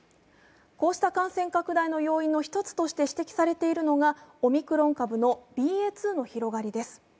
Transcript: こうした感染拡大の要因の１つとして指摘されているのがオミクロン株のＢＡ．２の広がりです。